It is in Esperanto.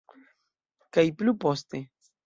Kaj plu poste.